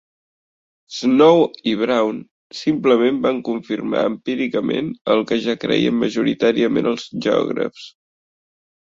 Snow i Brown simplement van confirmar empíricament el que ja creien majoritàriament els geògrafs.